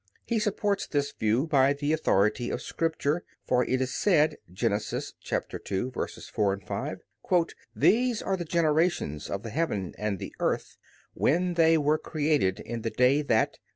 He supports this view by the authority of Scripture, for it is said (Gen. 2:4, 5): "These are the generations of the heaven and the earth, when they were created, in the day that